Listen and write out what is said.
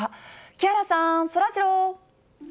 木原さん、そらジロー。